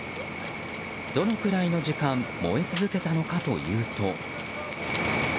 どのくらいの時間燃え続けたのかというと。